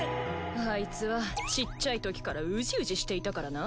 あいつはちっちゃいときからウジウジしていたからな。